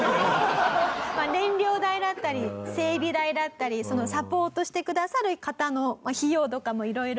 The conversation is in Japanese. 燃料代だったり整備代だったりサポートしてくださる方の費用とかも色々。